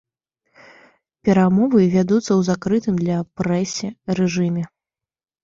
Перамовы вядуцца ў закрытым для прэсе рэжыме.